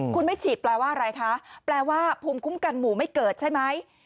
คุณไม่ฉีดแปลว่าอะไรคะแปลว่าภูมิคุ้มกันหมู่ไม่เกิดใช่ไหม